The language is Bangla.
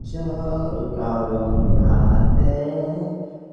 দ্বিতীয়ত কোন ঠিকানায় পাঠাব, তা তো জানি না।